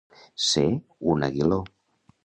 Ser un aguiló.